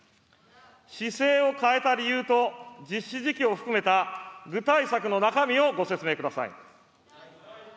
姿勢を変えた理由と、実施時期を含めた具体策の中身をご説明ください。